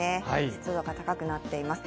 湿度が高くなっています。